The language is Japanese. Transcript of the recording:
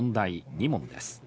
２問です。